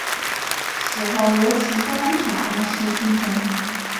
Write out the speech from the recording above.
死后由齐丹塔二世继承。